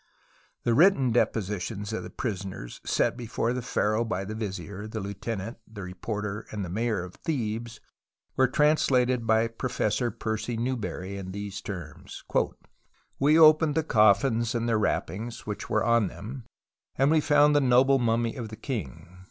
The written depositions of the prisoners set before the pharaoh by the vizier, the lieutenant, the reporter, and the mayor of Thebes were translated by Professor Percy Newberry in these terms :" We opened the coffins and their wrappings, which were on them, and we found the noble mummy of the king.